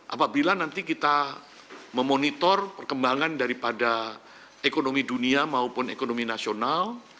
apabila nanti kita memonitor perkembangan daripada ekonomi dunia maupun ekonomi nasional